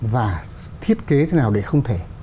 và thiết kế thế nào để không thể